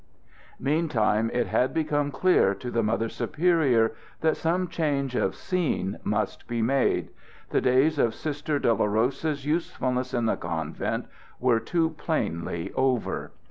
Meantime it had become clear to the Mother Superior that some change of scene must be made. The days of Sister Dolorosa's usefulness in the convent were too plainly over.